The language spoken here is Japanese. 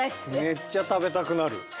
めっちゃ食べたくなる。